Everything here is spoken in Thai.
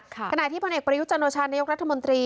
ขณะที่พลเอกประยุจันโอชานายกรัฐมนตรี